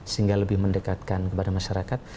sehingga lebih mendekatkan kepada masyarakat